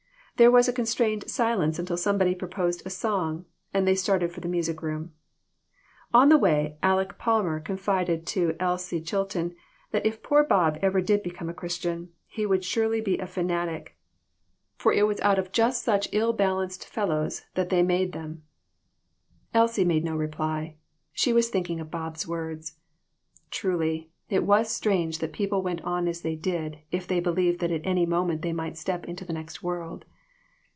There was a constrained silence until somebody proposed a song, and they started for the music room. On the way, Aleck Palmer confided to Elsie Chilton that if poor Bob ever did become a Christian, he would surely be a fanatic, for it was out of THIS WORLD, AND THE OTHER ONE. 23! just such ill balanced fellows that they made them. Elsie made no reply. She was thinking of Bob's words. Truly, it was strange that people went on as they did if they believed that at any moment they might step into the next world.